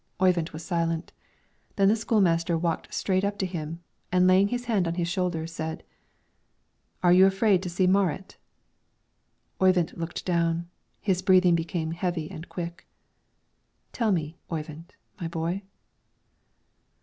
Oyvind was silent. Then the school master walked straight up to him, and laying his hand on his shoulder, said, "Are you afraid to see Marit?" Oyvind looked down; his breathing became heavy and quick. "Tell me, Oyvind, my boy?"